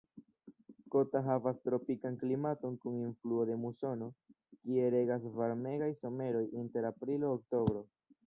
Kota havas tropikan klimaton kun influo de musono, kie regas varmegaj someroj inter aprilo-oktobro.